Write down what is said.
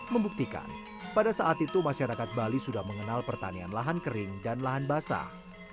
membuktikan pada saat itu masyarakat bali sudah mengenal pertanian lahan kering dan lahan basah